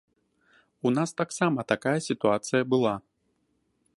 У нас таксама такая сітуацыя была.